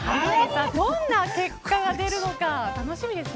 どんな結果が出るのか楽しみですね。